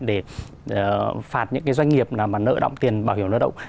để phạt những doanh nghiệp nợ động tiền bảo hiểm lao động